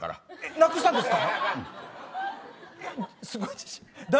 なくしたんですか。